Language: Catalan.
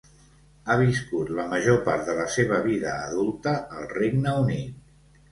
Ha viscut la major part de la seva vida adulta al Regne Unit.